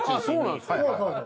そうなんですか。